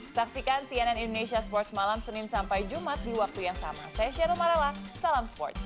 saksikan cnn indonesia sports malam senin sampai jumat di waktu yang sama